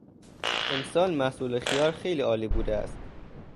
امسال محصول خیار خیلی عالی بوده است.